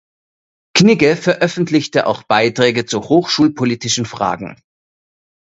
Knigge veröffentlichte auch Beiträge zu hochschulpolitischen Fragen.